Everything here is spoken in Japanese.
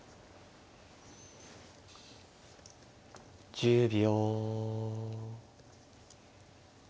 １０秒。